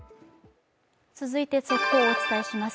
続いて速報をお伝えします。